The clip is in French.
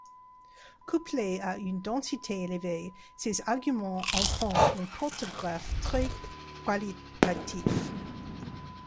Couplés à une densité élevée, ces arguments en font un porte-greffe très qualitatif.